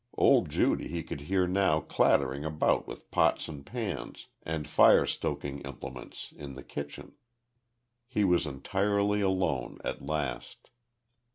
Old Judy he could hear now clattering about with pots and pans and firestoking implements in the kitchen. He was entirely alone at last.